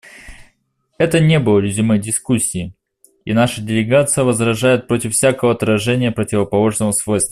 Это не было резюме дискуссии, и наша делегация возражает против всякого отражения противоположного свойства.